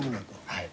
はい。